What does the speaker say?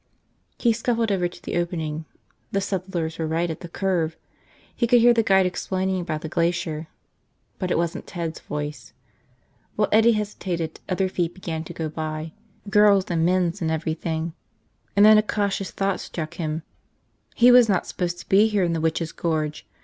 He scuffled over to the opening. The settlers were right at the curve. He could hear the guide explaining about the glacier, but it wasn't Ted's voice. While Eddie hesitated, other feet began to go by, girls' and men's and everything. And then a cautious thought struck him. He was not supposed to be here in the Witches' Gorge.